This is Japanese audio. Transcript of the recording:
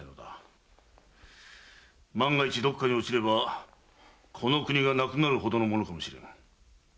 万が一どこかに落ちればこの国がなくなるほどのものかもしれん。